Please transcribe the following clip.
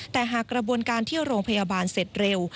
แต่หากกระบวนการเที่ยวโรงพยาบาลเสร็จเร็ว